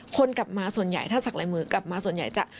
คนกลับมาส่วนใหญ่ถ้าสักลายมือกลับมาส่วนใหญ่จะ